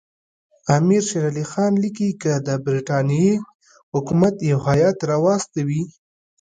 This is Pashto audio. امیر شېر علي خان لیکي که د برټانیې حکومت یو هیات راواستوي.